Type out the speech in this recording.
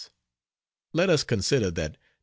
Let us consider that No.